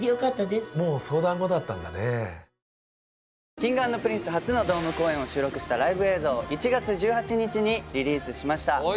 Ｋｉｎｇ＆Ｐｒｉｎｃｅ初のドーム公演を収録したライブ映像を１月１８日にリリースしました。